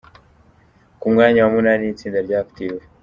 Ku mwanya wa munani n’itsinda rya Active.